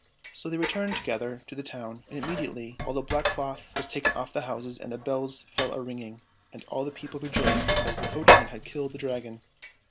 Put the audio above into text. So they returned together to the town, and immediately all the black cloth was taken off the houses and the bells fell a ringing, and all the people rejoiced because the coachman had killed the Dragon.